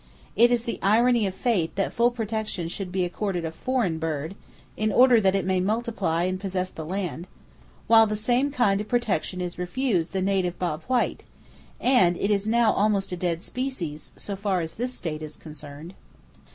It is the irony of fate that full protection should be accorded a foreign bird, in order that it may multiply and possess the land, while the same kind of protection is refused the native bob white, and it is now almost a dead species, so far as this state is concerned.